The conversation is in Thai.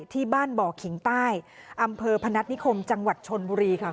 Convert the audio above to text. ที่บ้านบ่อขิงใต้อำเภอพนัฐนิคมจังหวัดชนบุรีค่ะ